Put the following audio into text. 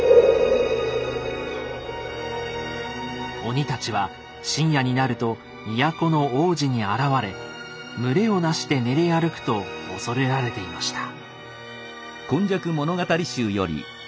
鬼たちは深夜になると都の大路に現れ群れを成して練り歩くと恐れられていました。